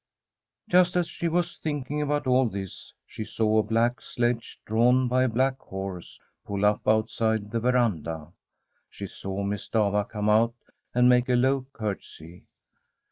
Just as she was thinking about all this, she saw a black sledge, drawn by black horses, pull up outside the veranda. She saw Miss Stafva come out and make a low curtsy.